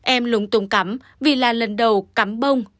em lúng túng cắm vì là lần đầu cắm bông